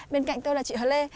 bên cạnh tôi là chị hờ lê